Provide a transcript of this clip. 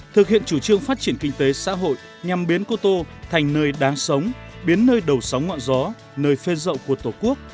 thực hiện chủ trương phát triển kinh tế xã hội nhằm biến cô tô thành nơi đáng sống biến nơi đầu sóng ngọn gió nơi phên rậu của tổ quốc